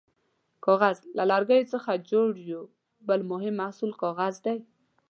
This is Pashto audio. کاغذ: له لرګیو څخه جوړ یو بل مهم محصول کاغذ دی.